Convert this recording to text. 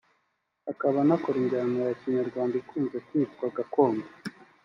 akaba anakora injya ya Kinyarwanda ikunze kwitwa gakondo